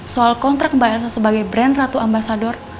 soal kontrak mbak elsa sebagai brand ratu ambasador